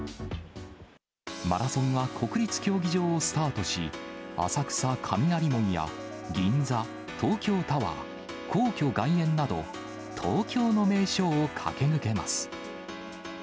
マラソンは国立競技場をスタートし、浅草・雷門や銀座、東京タワー、皇居外苑など、東京の名所を駆け抜けます。